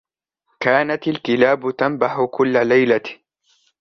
كانت الكلاب تنبح كل ليلة.